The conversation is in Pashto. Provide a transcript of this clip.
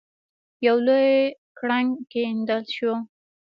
یو لوی کړنګ کیندل شوی.